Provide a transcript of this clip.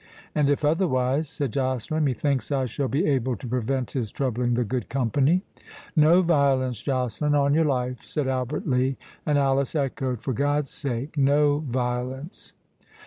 "And if otherwise," said Joceline, "methinks I shall be able to prevent his troubling the good company." "No violence, Joceline, on your life," said Albert Lee; and Alice echoed, "For God's sake, no violence!"